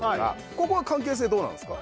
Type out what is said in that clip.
ここは関係性どうなんすか？